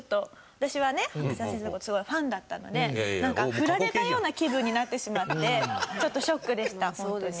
私はね伯山先生の事すごいファンだったのでなんかフラれたような気分になってしまってちょっとショックでしたホントに。